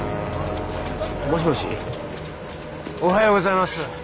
もしもしおはようございます。